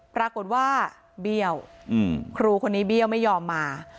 ปรากฏว่าเบี้ยวครูคนนี้เบี้ยวไม่ยอมมา